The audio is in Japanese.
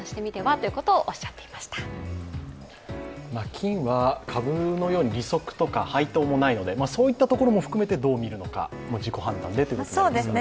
金は株のように利息とか配当もないのでそういったところも含めてどう見るのか、自己判断でというところですね。